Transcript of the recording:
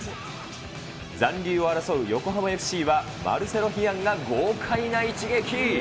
残留を争う横浜ＦＣはマルセロ・ヒアンが豪快な一撃。